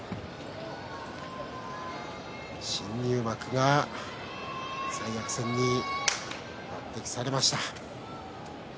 新入幕が三役戦に抜てきされました。